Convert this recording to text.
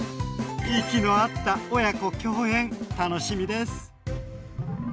息の合った親子共演楽しみです。